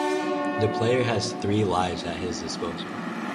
The player has three lives at his disposal.